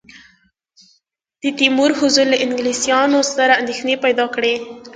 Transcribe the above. د تیمور حضور له انګلیسیانو سره اندېښنې پیدا کړې.